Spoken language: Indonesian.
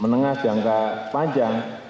menengah jangka panjang